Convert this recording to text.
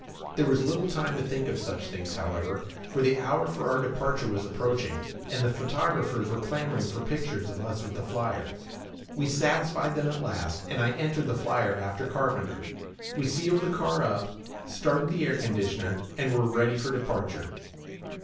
There was little time to think of such things, however, for the hour for our departure was approaching, and the photographers were clamoring for pictures of us and the flyer. We satisfied them at last, and I entered the flyer after Carpenter. We sealed the car up, started the air conditioner, and were ready for departure.